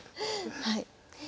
はい。